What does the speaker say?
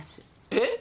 えっ！？